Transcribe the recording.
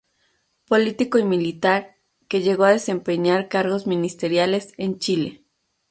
Político y militar, que llegó a desempeñar cargos ministeriales en Chile.